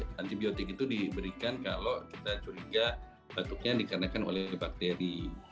jadi antibiotik itu diberikan kalau kita curiga batuknya dikarenakan oleh bakteri